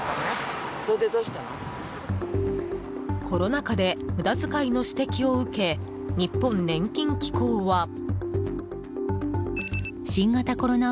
コロナ禍で無駄遣いの指摘を受け日本年金機構は。